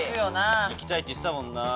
いきたいって言ってたもん。